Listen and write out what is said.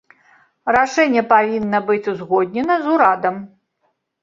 Рашэнне павінна быць узгоднена з урадам.